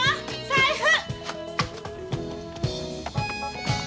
財布！